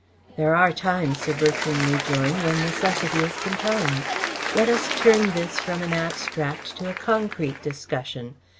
"There are times," Sir Bertram rejoined, "when necessity is compelling. Let us turn this from an abstract to a concrete discussion.